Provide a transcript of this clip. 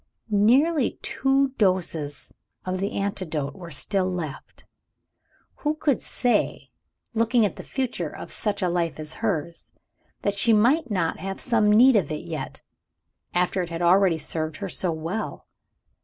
Nearly two doses of the antidote were still left. Who could say, looking at the future of such a life as hers, that she might not have some need of it yet after it had already served her so well?